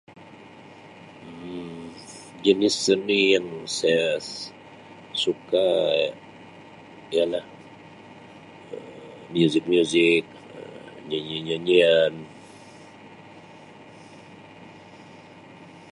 Um Jenis seni yang saya s-suka ialah Um musik-musik Um, nyanyi-nyanyian